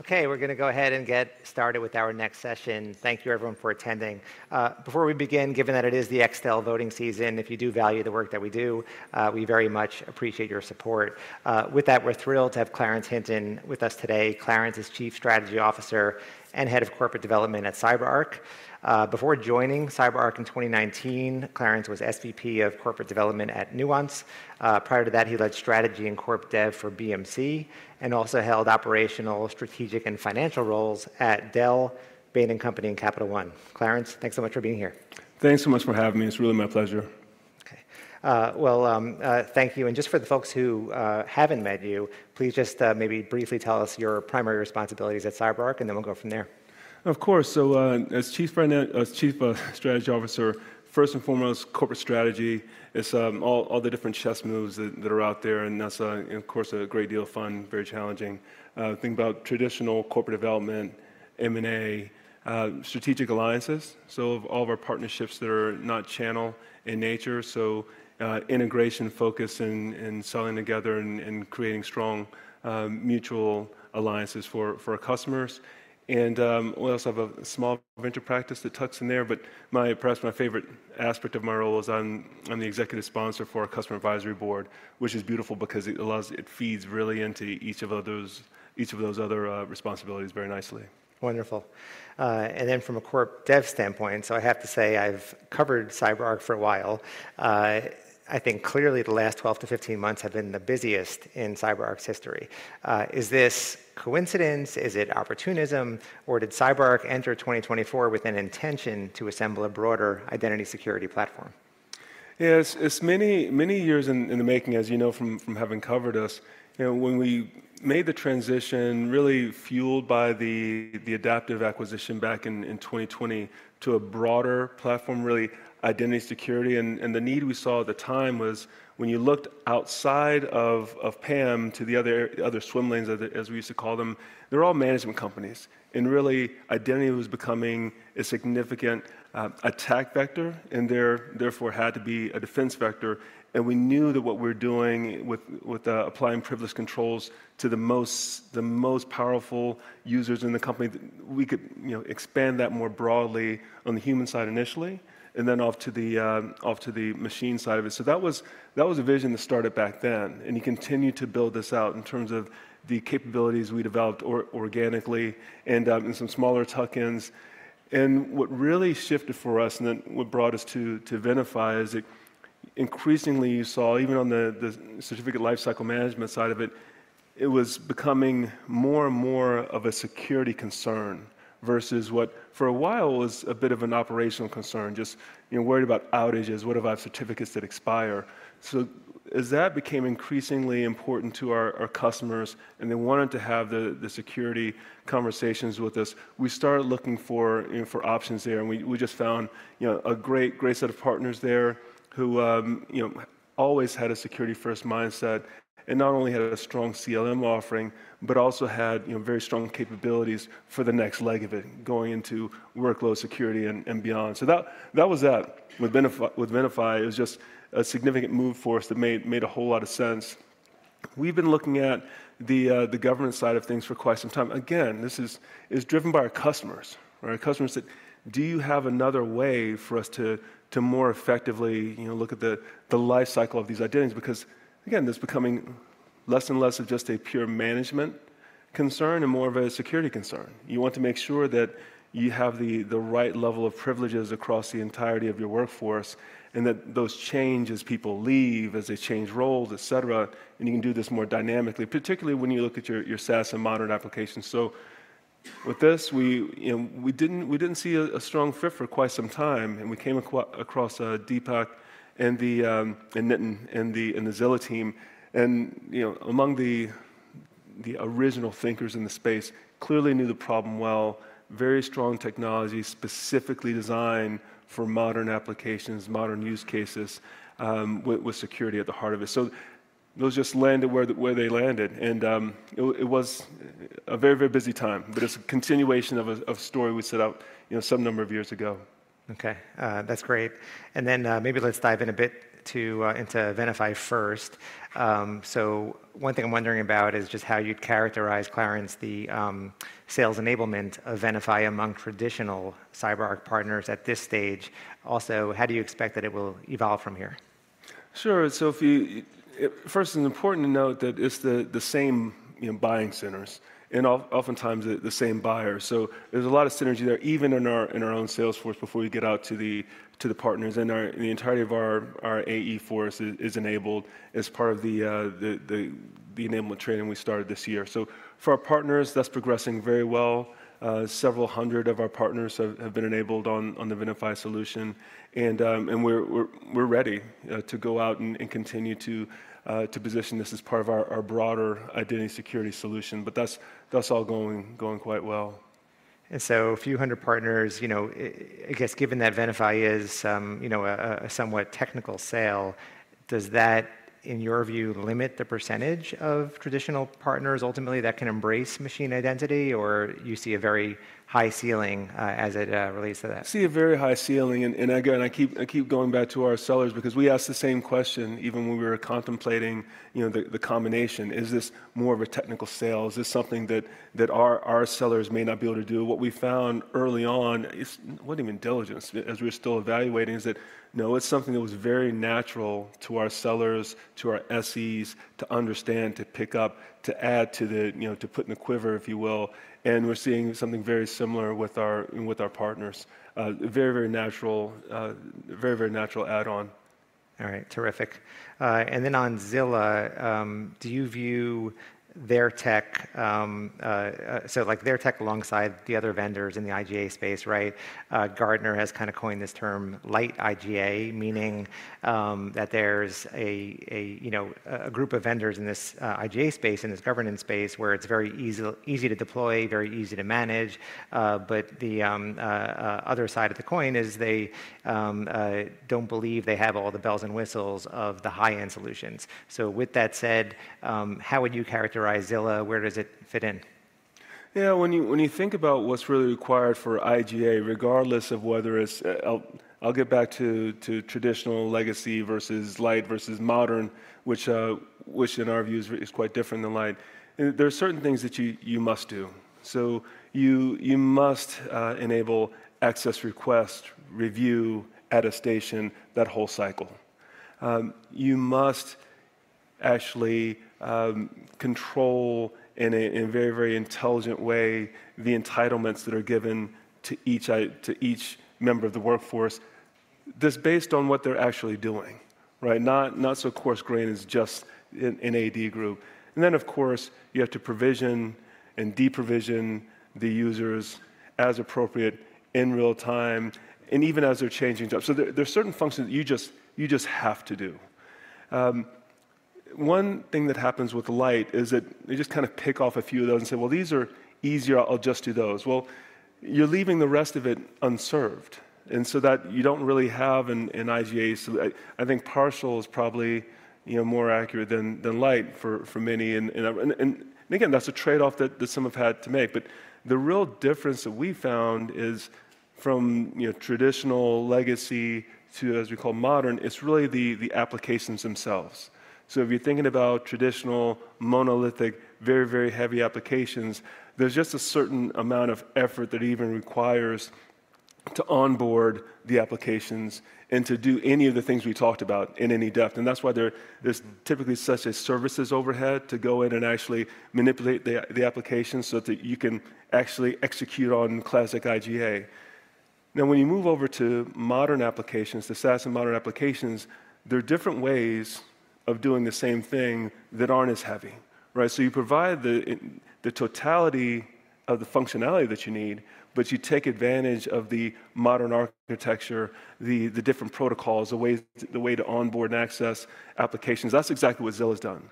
Okay, we're going to go ahead and get started with our next session. Thank you, everyone, for attending. Before we begin, given that it is the Extel voting season, if you do value the work that we do, we very much appreciate your support. With that, we're thrilled to have Clarence Hinton with us today. Clarence is Chief Strategy Officer and Head of Corporate Development at CyberArk. Before joining CyberArk in 2019, Clarence was SVP of Corporate Development at Nuance. Prior to that, he led strategy and corp dev for BMC and also held operational, strategic, and financial roles at Dell, Bain & Company, and Capital One. Clarence, thanks so much for being here. Thanks so much for having me. It's really my pleasure. Okay. Thank you. Just for the folks who haven't met you, please just maybe briefly tell us your primary responsibilities at CyberArk, and then we'll go from there. Of course. As Chief Strategy Officer, first and foremost, corporate strategy is all the different chess moves that are out there. That is, of course, a great deal of fun, very challenging. Think about traditional corporate development, M&A, strategic alliances. All of our partnerships that are not channel in nature, integration focus in selling together and creating strong mutual alliances for our customers. We also have a small venture practice that tucks in there. Perhaps my favorite aspect of my role is I am the executive sponsor for our Customer Advisory Board, which is beautiful because it feeds really into each of those other responsibilities very nicely. Wonderful. From a corp dev standpoint, I have to say I've covered CyberArk for a while. I think clearly the last 12-15 months have been the busiest in CyberArk's history. Is this coincidence? Is it opportunism? Or did CyberArk enter 2024 with an intention to assemble a broader identity security platform? Yeah, it's many years in the making, as you know from having covered us. When we made the transition, really fueled by the Idaptive acquisition back in 2020 to a broader platform, really identity security. The need we saw at the time was when you looked outside of PAM to the other swim lanes, as we used to call them, they're all management companies. Really, identity was becoming a significant attack vector, and therefore had to be a defense vector. We knew that what we're doing with applying privileged controls to the most powerful users in the company, we could expand that more broadly on the human side initially, and then off to the machine side of it. That was a vision that started back then. You continue to build this out in terms of the capabilities we developed organically and some smaller tuck-ins. What really shifted for us and then what brought us to Venafi is that increasingly you saw, even on the certificate lifecycle management side of it, it was becoming more and more of a security concern versus what for a while was a bit of an operational concern, just worried about outages, what if I have certificates that expire. As that became increasingly important to our customers and they wanted to have the security conversations with us, we started looking for options there. We just found a great set of partners there who always had a security-first mindset and not only had a strong CLM offering, but also had very strong capabilities for the next leg of it, going into workload security and beyond. That was that. With Venafi, it was just a significant move for us that made a whole lot of sense. We've been looking at the government side of things for quite some time. Again, this is driven by our customers. Our customers said, do you have another way for us to more effectively look at the lifecycle of these identities? Because, again, this is becoming less and less of just a pure management concern and more of a security concern. You want to make sure that you have the right level of privileges across the entirety of your workforce and that those change as people leave, as they change roles, etc. You can do this more dynamically, particularly when you look at your SaaS and modern applications. With this, we didn't see a strong fit for quite some time. We came across Deepak and Nitin and the Zilla team. Among the original thinkers in the space, clearly knew the problem well, very strong technology specifically designed for modern applications, modern use cases with security at the heart of it. Those just landed where they landed. It was a very, very busy time, but it's a continuation of a story we set out some number of years ago. Okay. That's great. Maybe let's dive in a bit into Venafi first. One thing I'm wondering about is just how you'd characterize, Clarence, the sales enablement of Venafi among traditional CyberArk partners at this stage. Also, how do you expect that it will evolve from here? Sure. First, it's important to note that it's the same buying centers and oftentimes the same buyers. There's a lot of synergy there, even in our own sales force before we get out to the partners. The entirety of our AE force is enabled as part of the enablement training we started this year. For our partners, that's progressing very well. Several hundred of our partners have been enabled on the Venafi solution. We're ready to go out and continue to position this as part of our broader identity security solution. That's all going quite well. A few hundred partners, I guess given that Venafi is a somewhat technical sale, does that, in your view, limit the percentage of traditional partners ultimately that can embrace machine identity? Or you see a very high ceiling as it relates to that? I see a very high ceiling. I keep going back to our sellers because we asked the same question even when we were contemplating the combination. Is this more of a technical sale? Is this something that our sellers may not be able to do? What we found early on, it's not even diligence as we were still evaluating, is that no, it's something that was very natural to our sellers, to our SEs, to understand, to pick up, to add to the, to put in the quiver, if you will. We're seeing something very similar with our partners. Very, very natural, very, very natural add-on. All right. Terrific. And then on Zilla, do you view their tech, so like their tech alongside the other vendors in the IGA space, right? Gartner has kind of coined this term light IGA, meaning that there's a group of vendors in this IGA space, in this governance space, where it's very easy to deploy, very easy to manage. The other side of the coin is they don't believe they have all the bells and whistles of the high-end solutions. With that said, how would you characterize Zilla? Where does it fit in? Yeah. When you think about what's really required for IGA, regardless of whether it's, I'll get back to traditional legacy versus light versus modern, which in our view is quite different than light. There are certain things that you must do. You must enable access request, review, attestation, that whole cycle. You must actually control in a very, very intelligent way the entitlements that are given to each member of the workforce, just based on what they're actually doing, right? Not so coarse-grained as just an AD group. Of course, you have to provision and deprovision the users as appropriate in real time, and even as they're changing jobs. There are certain functions that you just have to do. One thing that happens with light is that they just kind of pick off a few of those and say, well, these are easier, I'll just do those. You are leaving the rest of it unserved. That means you do not really have an IGA. I think partial is probably more accurate than light for many. Again, that is a trade-off that some have had to make. The real difference that we found is from traditional legacy to, as we call, modern, it is really the applications themselves. If you are thinking about traditional monolithic, very, very heavy applications, there is just a certain amount of effort that even requires to onboard the applications and to do any of the things we talked about in any depth. That's why there's typically such a services overhead to go in and actually manipulate the applications so that you can actually execute on classic IGA. Now, when you move over to modern applications, the SaaS and modern applications, there are different ways of doing the same thing that aren't as heavy, right? You provide the totality of the functionality that you need, but you take advantage of the modern architecture, the different protocols, the way to onboard and access applications. That's exactly what Zilla has done.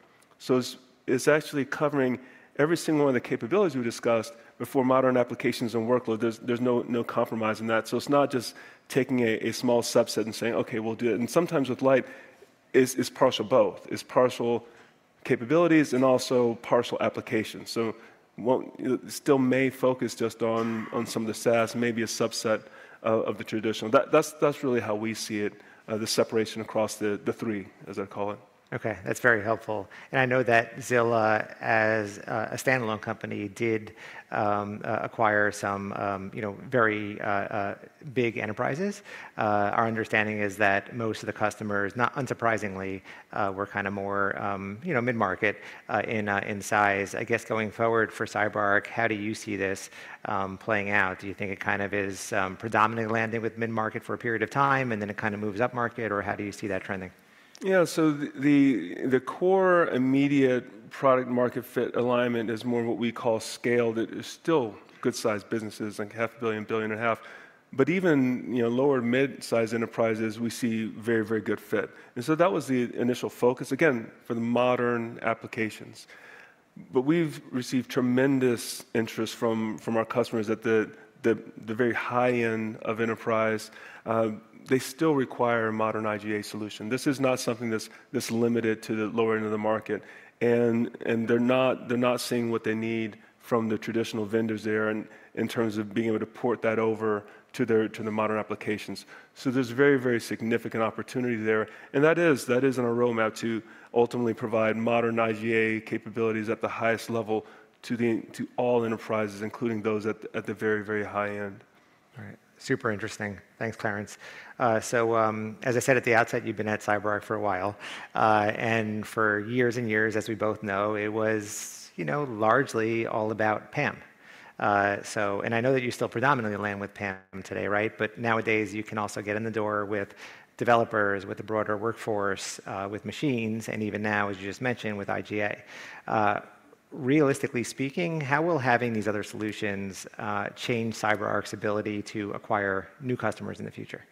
It's actually covering every single one of the capabilities we discussed before modern applications and workload. There's no compromise in that. It's not just taking a small subset and saying, okay, we'll do it. Sometimes with light, it's partial both. It's partial capabilities and also partial applications. It still may focus just on some of the SaaS, maybe a subset of the traditional. That's really how we see it, the separation across the three, as I call it. Okay. That's very helpful. I know that Zilla, as a standalone company, did acquire some very big enterprises. Our understanding is that most of the customers, not unsurprisingly, were kind of more mid-market in size. I guess going forward for CyberArk, how do you see this playing out? Do you think it kind of is predominantly landing with mid-market for a period of time and then it kind of moves up market? How do you see that trending? Yeah. The core immediate product-market fit alignment is more of what we call scale. That is still good-sized businesses, like $500 million, $1.5 billion. Even lower mid-sized enterprises, we see very, very good fit. That was the initial focus, again, for the modern applications. We've received tremendous interest from our customers at the very high end of enterprise. They still require a modern IGA solution. This is not something that's limited to the lower end of the market. They're not seeing what they need from the traditional vendors there in terms of being able to port that over to the modern applications. There is very, very significant opportunity there. That is on a roadmap to ultimately provide modern IGA capabilities at the highest level to all enterprises, including those at the very, very high end. All right. Super interesting. Thanks, Clarence. As I said at the outset, you've been at CyberArk for a while. For years and years, as we both know, it was largely all about PAM. I know that you still predominantly land with PAM today, right? Nowadays, you can also get in the door with developers, with the broader workforce, with machines, and even now, as you just mentioned, with IGA. Realistically speaking, how will having these other solutions change CyberArk's ability to acquire new customers in the future?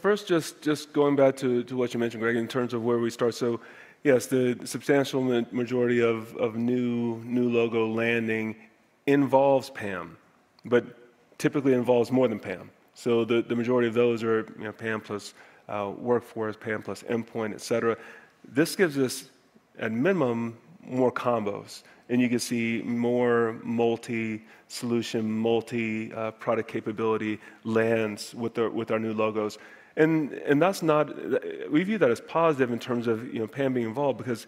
First, just going back to what you mentioned, Greg, in terms of where we start. Yes, the substantial majority of new logo landing involves PAM, but typically involves more than PAM. The majority of those are PAM plus workforce, PAM plus endpoint, et cetera. This gives us, at minimum, more combos. You can see more multi-solution, multi-product capability lands with our new logos. We view that as positive in terms of PAM being involved because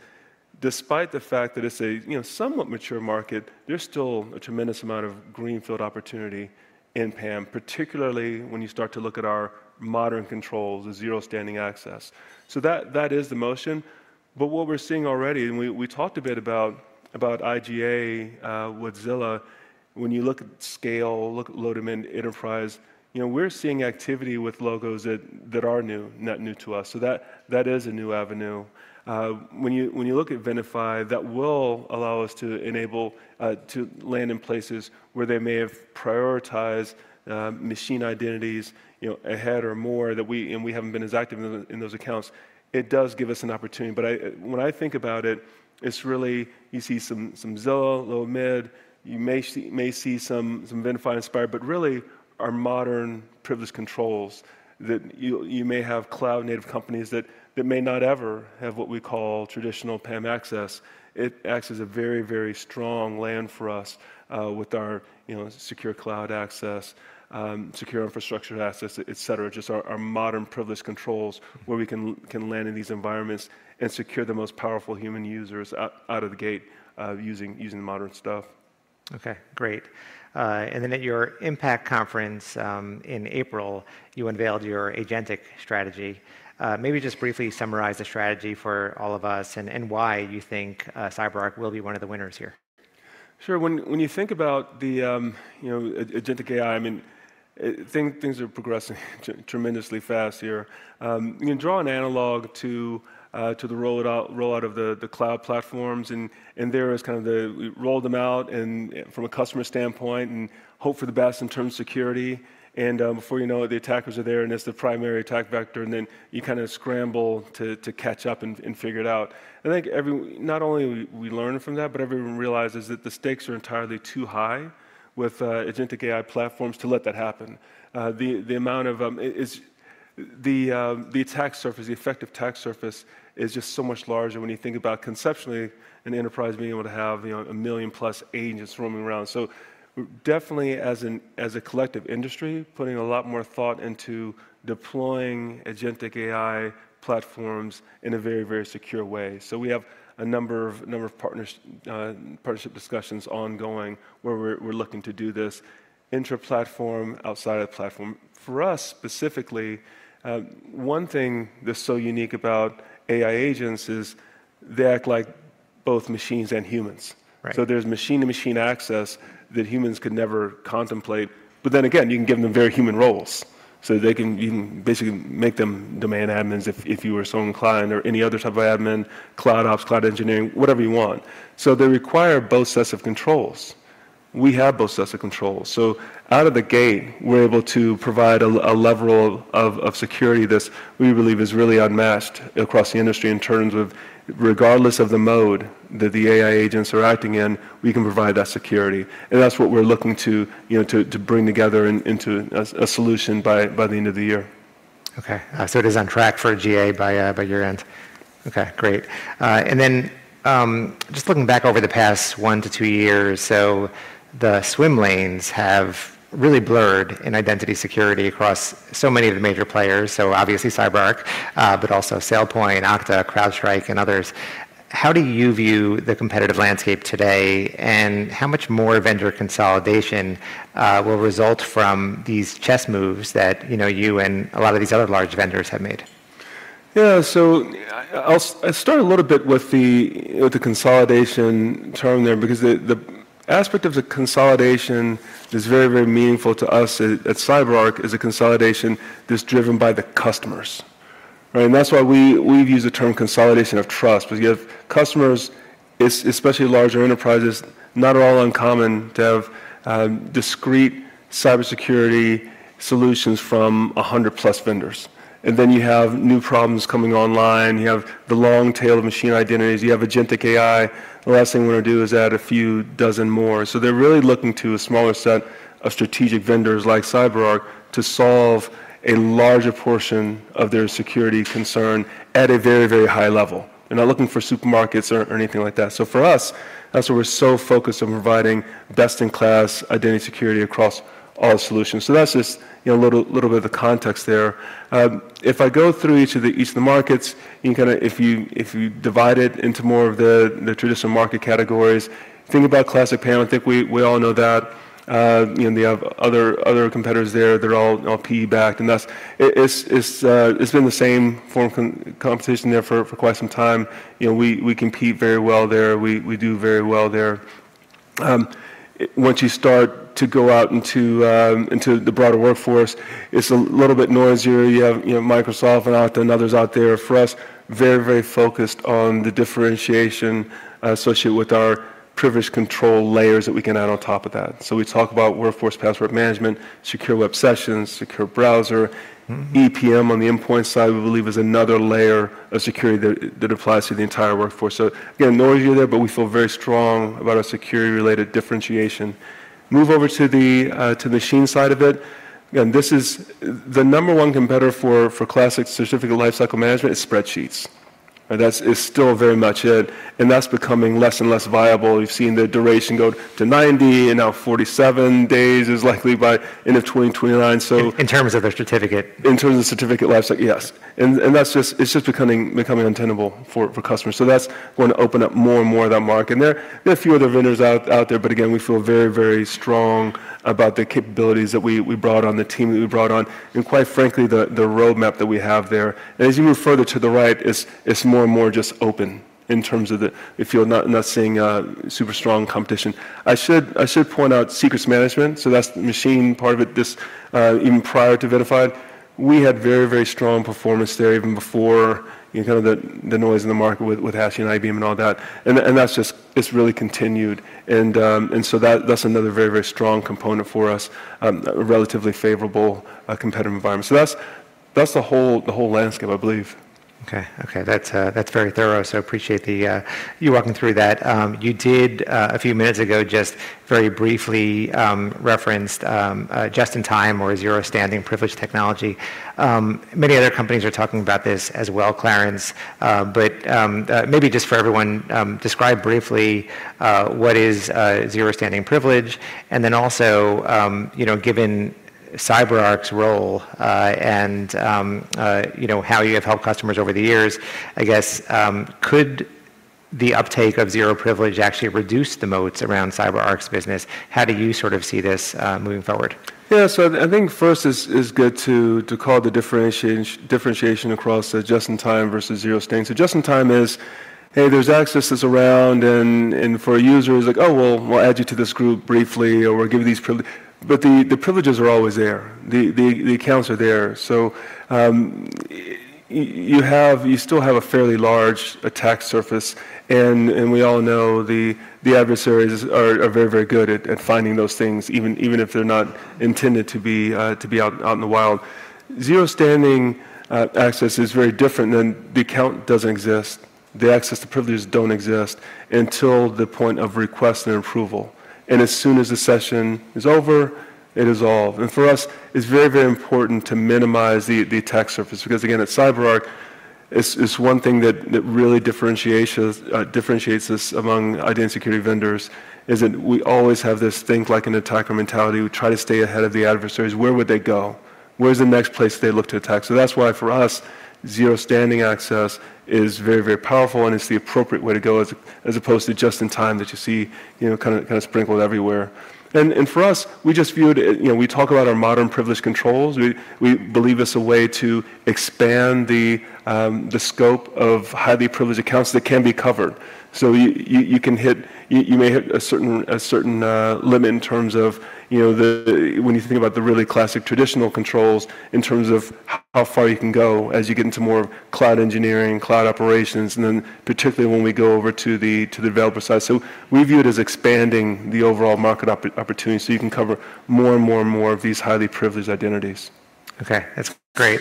despite the fact that it's a somewhat mature market, there's still a tremendous amount of greenfield opportunity in PAM, particularly when you start to look at our modern controls, the zero standing access. That is the motion. What we're seeing already, and we talked a bit about IGA with Zilla, when you look at scale, look at low-demand enterprise, we're seeing activity with logos that are new, not new to us. That is a new avenue. When you look at Venafi, that will allow us to enable to land in places where they may have prioritized machine identities ahead or more that we haven't been as active in those accounts. It does give us an opportunity. When I think about it, it's really you see some Zilla, low-mid, you may see some Venafi-inspired, but really our modern privileged controls that you may have cloud-native companies that may not ever have what we call traditional PAM access. It acts as a very, very strong land for us with our secure cloud access, secure infrastructure access, etc., just our modern privileged controls where we can land in these environments and secure the most powerful human users out of the gate using modern stuff. Okay. Great. At your Impact Conference in April, you unveiled your agentic strategy. Maybe just briefly summarize the strategy for all of us and why you think CyberArk will be one of the winners here. Sure. When you think about the agentic AI, I mean, things are progressing tremendously fast here. You can draw an analog to the rollout of the cloud platforms. There is kind of the roll them out from a customer standpoint and hope for the best in terms of security. Before you know it, the attackers are there and it's the primary attack vector. You kind of scramble to catch up and figure it out. I think not only we learn from that, but everyone realizes that the stakes are entirely too high with agentic AI platforms to let that happen. The amount of the attack surface, the effective attack surface is just so much larger when you think about conceptually an enterprise being able to have a million-plus agents roaming around. Definitely as a collective industry, putting a lot more thought into deploying agentic AI platforms in a very, very secure way. We have a number of partnership discussions ongoing where we're looking to do this intra-platform, outside-of-platform. For us specifically, one thing that's so unique about AI agents is they act like both machines and humans. There's machine-to-machine access that humans could never contemplate. Then again, you can give them very human roles. You can basically make them demand admins if you were so inclined or any other type of admin, cloud ops, cloud engineering, whatever you want. They require both sets of controls. We have both sets of controls. Out of the gate, we're able to provide a level of security that we believe is really unmatched across the industry in terms of regardless of the mode that the AI agents are acting in, we can provide that security. That's what we're looking to bring together into a solution by the end of the year. Okay. So it is on track for a GA by year end. Okay. Great. And then just looking back over the past one to two years, the swim lanes have really blurred in identity security across so many of the major players. Obviously CyberArk, but also SailPoint, Okta, CrowdStrike, and others. How do you view the competitive landscape today and how much more vendor consolidation will result from these chess moves that you and a lot of these other large vendors have made? Yeah. I'll start a little bit with the consolidation term there because the aspect of the consolidation that's very, very meaningful to us at CyberArk is a consolidation that's driven by the customers, right? That's why we've used the term consolidation of trust. You have customers, especially larger enterprises, not at all uncommon to have discrete cybersecurity solutions from 100-plus vendors. You have new problems coming online. You have the long tail of machine identities. You have agentic AI. The last thing we want to do is add a few dozen more. They're really looking to a smaller set of strategic vendors like CyberArk to solve a larger portion of their security concern at a very, very high level. They're not looking for supermarkets or anything like that. For us, that's why we're so focused on providing best-in-class identity security across all solutions. That's just a little bit of the context there. If I go through each of the markets, you can kind of, if you divide it into more of the traditional market categories, think about classic PAM. I think we all know that. They have other competitors there. They're all PE-backed. It's been the same form of competition there for quite some time. We compete very well there. We do very well there. Once you start to go out into the broader workforce, it's a little bit noisier. You have Microsoft and Okta and others out there. For us, very, very focused on the differentiation associated with our privileged control layers that we can add on top of that. We talk about workforce password management, secure web sessions, secure browser. EPM on the endpoint side, we believe, is another layer of security that applies to the entire workforce. Again, noisier there, but we feel very strong about our security-related differentiation. Move over to the machine side of it. Again, the number one competitor for classic certificate lifecycle management is spreadsheets. That is still very much it. And that's becoming less and less viable. We've seen the duration go to 90 and now 47 days is likely by the end of 2029. In terms of the certificate. In terms of the certificate lifecycle, yes. That is just becoming untenable for customers. That is going to open up more and more of that market. There are a few other vendors out there. Again, we feel very, very strong about the capabilities that we brought on, the team that we brought on, and quite frankly, the roadmap that we have there. As you move further to the right, it is more and more just open in terms of the, if you are not seeing super strong competition. I should point out secrets management. That is the machine part of it. Even prior to Venafi, we had very, very strong performance there even before kind of the noise in the market with Hashi and IBM and all that. That is just, it has really continued. That is another very, very strong component for us, a relatively favorable competitive environment. That's the whole landscape, I believe. Okay. Okay. That's very thorough. Appreciate you walking through that. You did a few minutes ago just very briefly reference Just in Time or Zero Standing Privilege technology. Many other companies are talking about this as well, Clarence. Maybe just for everyone, describe briefly what is Zero Standing Privilege. Also, given CyberArk's role and how you have helped customers over the years, I guess, could the uptake of Zero Privilege actually reduce the moats around CyberArk's business? How do you sort of see this moving forward? Yeah. I think first it is good to call the differentiation across Just in Time versus Zero Standing. Just in Time is, hey, there is access that is around. And for users, like, oh, well, we will add you to this group briefly or we will give you these privileges. But the privileges are always there. The accounts are there. You still have a fairly large attack surface. We all know the adversaries are very, very good at finding those things, even if they are not intended to be out in the wild. Zero Standing access is very different in that the account does not exist. The access to privileges does not exist until the point of request and approval. As soon as the session is over, it is all gone. For us, it is very, very important to minimize the attack surface. Because again, at CyberArk, it's one thing that really differentiates us among identity security vendors is that we always have this think like an attacker mentality. We try to stay ahead of the adversaries. Where would they go? Where's the next place they look to attack? That is why for us, Zero Standing access is very, very powerful. It is the appropriate way to go as opposed to Just in Time that you see kind of sprinkled everywhere. For us, we just viewed it, we talk about our modern privileged controls. We believe it's a way to expand the scope of highly privileged accounts that can be covered. You may hit a certain limit in terms of when you think about the really classic traditional controls in terms of how far you can go as you get into more cloud engineering, cloud operations, and then particularly when we go over to the developer side. We view it as expanding the overall market opportunity so you can cover more and more and more of these highly privileged identities. Okay. That's great.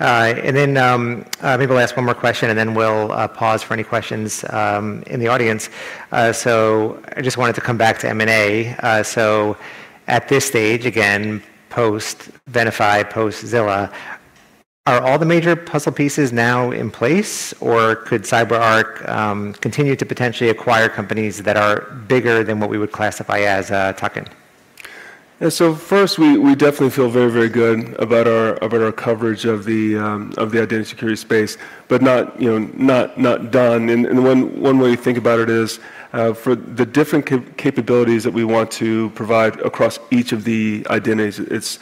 Maybe we'll ask one more question and then we'll pause for any questions in the audience. I just wanted to come back to M&A. At this stage, again, post-Venafi, post-Zilla, are all the major puzzle pieces now in place or could CyberArk continue to potentially acquire companies that are bigger than what we would classify as a tuck-in? First, we definitely feel very, very good about our coverage of the identity security space, but not done. One way to think about it is for the different capabilities that we want to provide across each of the identities, it is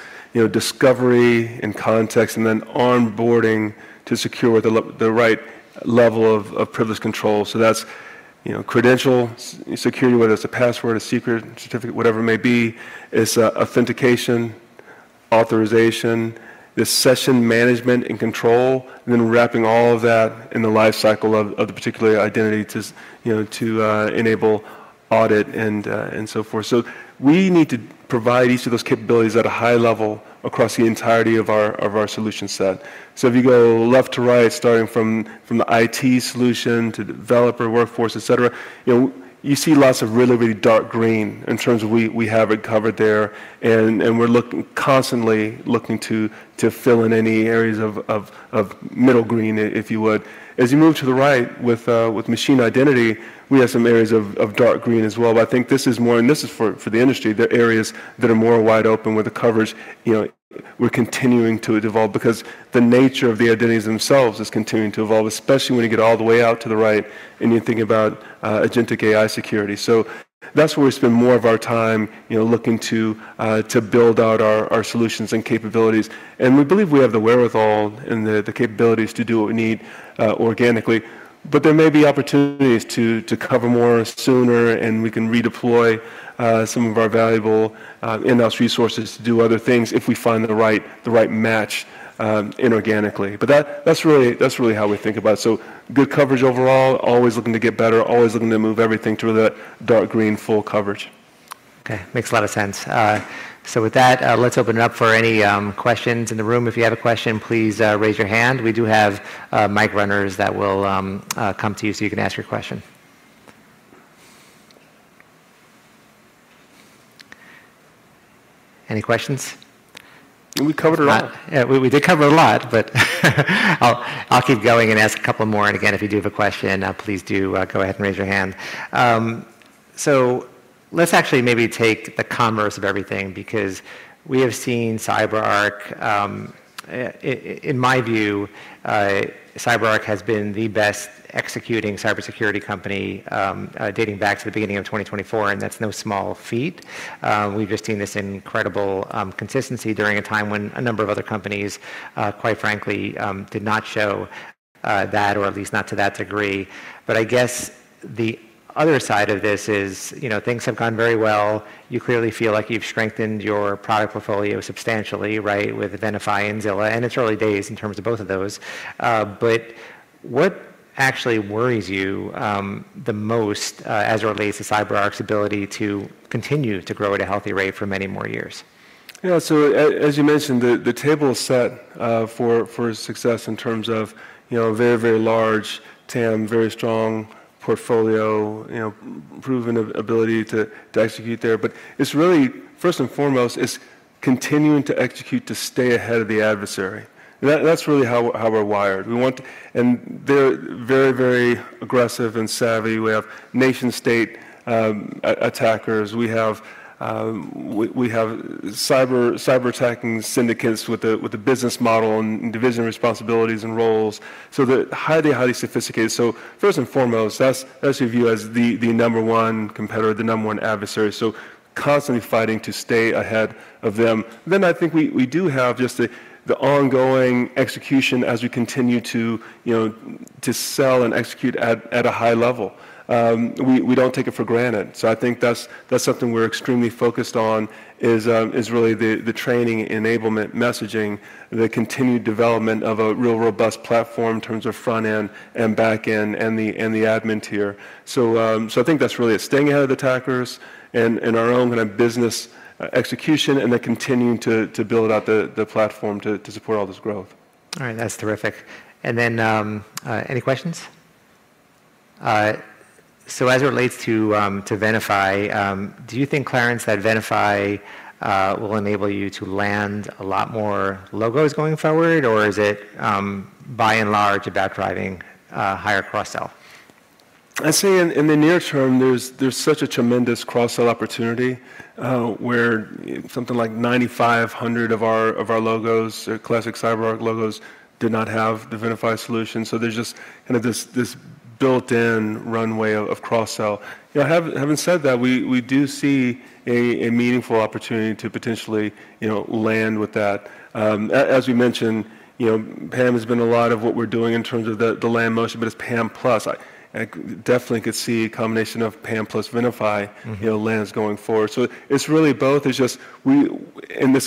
discovery and context and then onboarding to secure with the right level of privilege control. That is credential security, whether it is a password, a secret, certificate, whatever it may be. It is authentication, authorization, the session management and control, and then wrapping all of that in the lifecycle of the particular identity to enable audit and so forth. We need to provide each of those capabilities at a high level across the entirety of our solution set. If you go left to right, starting from the IT solution to the developer workforce, et cetera, you see lots of really, really dark green in terms of we have it covered there. We're constantly looking to fill in any areas of middle green, if you would. As you move to the right with machine identity, we have some areas of dark green as well. I think this is more, and this is for the industry, there are areas that are more wide open with the coverage. We're continuing to evolve because the nature of the identities themselves is continuing to evolve, especially when you get all the way out to the right and you're thinking about agentic AI security. That's where we spend more of our time looking to build out our solutions and capabilities. We believe we have the wherewithal and the capabilities to do what we need organically. There may be opportunities to cover more sooner, and we can redeploy some of our valuable in-house resources to do other things if we find the right match inorganically. That is really how we think about it. Good coverage overall, always looking to get better, always looking to move everything to the dark green full coverage. Okay. Makes a lot of sense. With that, let's open it up for any questions in the room. If you have a question, please raise your hand. We do have mic runners that will come to you so you can ask your question. Any questions? We covered a lot. We did cover a lot, but I'll keep going and ask a couple more. Again, if you do have a question, please do go ahead and raise your hand. Let's actually maybe take the commerce of everything because we have seen CyberArk, in my view, CyberArk has been the best executing cybersecurity company dating back to the beginning of 2024. That's no small feat. We've just seen this incredible consistency during a time when a number of other companies, quite frankly, did not show that or at least not to that degree. I guess the other side of this is things have gone very well. You clearly feel like you've strengthened your product portfolio substantially, right, with Venafi and Zilla. It's early days in terms of both of those. What actually worries you the most as it relates to CyberArk's ability to continue to grow at a healthy rate for many more years? Yeah. As you mentioned, the table is set for success in terms of a very, very large TAM, very strong portfolio, proven ability to execute there. It is really, first and foremost, continuing to execute to stay ahead of the adversary. That is really how we are wired. They are very, very aggressive and savvy. We have nation-state attackers. We have cyber-attacking syndicates with a business model and division responsibilities and roles. They are highly, highly sophisticated. First and foremost, that is what we view as the number one competitor, the number one adversary. Constantly fighting to stay ahead of them. I think we do have just the ongoing execution as we continue to sell and execute at a high level. We do not take it for granted. I think that's something we're extremely focused on is really the training, enablement, messaging, the continued development of a real robust platform in terms of front-end and back-end and the admin tier. I think that's really it. Staying ahead of the attackers and our own kind of business execution and then continuing to build out the platform to support all this growth. All right. That's terrific. Any questions? As it relates to Venafi, do you think, Clarence, that Venafi will enable you to land a lot more logos going forward, or is it by and large about driving higher cross-sell? I'd say in the near term, there's such a tremendous cross-sell opportunity where something like 9,500 of our logos, classic CyberArk logos, did not have the Venafi solution. There's just kind of this built-in runway of cross-sell. Having said that, we do see a meaningful opportunity to potentially land with that. As we mentioned, PAM has been a lot of what we're doing in terms of the land motion, but it's PAM Plus. I definitely could see a combination of PAM Plus Venafi lands going forward. It's really both. This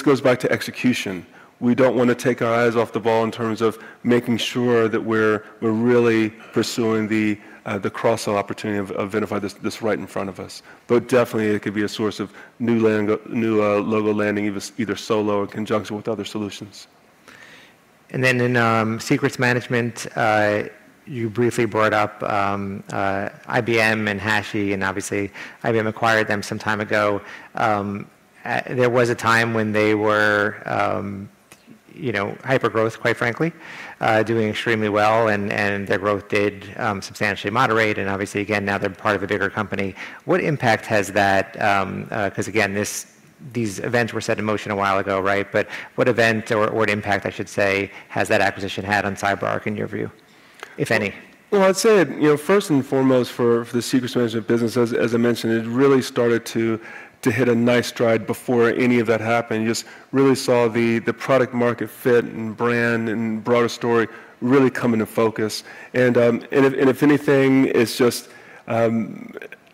goes back to execution. We don't want to take our eyes off the ball in terms of making sure that we're really pursuing the cross-sell opportunity of Venafi. This is right in front of us. It could be a source of new logo landing either solo or in conjunction with other solutions. In secrets management, you briefly brought up IBM and Hashi. Obviously, IBM acquired them some time ago. There was a time when they were hypergrowth, quite frankly, doing extremely well. Their growth did substantially moderate. Obviously, again, now they are part of a bigger company. What impact has that? Because these events were set in motion a while ago, right? What event or impact, I should say, has that acquisition had on CyberArk in your view, if any? I'd say first and foremost for the secrets management business, as I mentioned, it really started to hit a nice stride before any of that happened. You just really saw the product-market fit and brand and broader story really come into focus. If anything,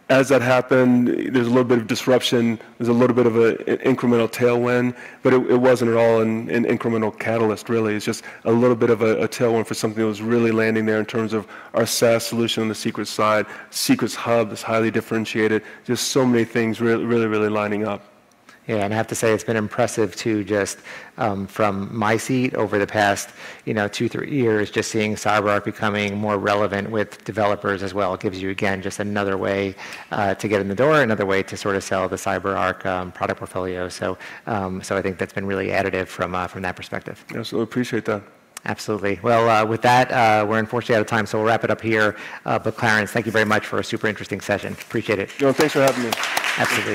as that happened, there's a little bit of disruption. There's a little bit of an incremental tailwind. It wasn't at all an incremental catalyst, really. It's just a little bit of a tailwind for something that was really landing there in terms of our SaaS solution on the secrets side, Secrets Hub that's highly differentiated. Just so many things really, really lining up. Yeah. I have to say it's been impressive too, just from my seat over the past two, three years, just seeing CyberArk becoming more relevant with developers as well. It gives you, again, just another way to get in the door, another way to sort of sell the CyberArk product portfolio. I think that's been really additive from that perspective. Absolutely. Appreciate that. Absolutely. With that, we're unfortunately out of time. We'll wrap it up here. Clarence, thank you very much for a super interesting session. Appreciate it. Thanks for having me. Absolutely.